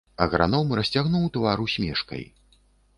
Аграном расцягнуў твар усмешкай.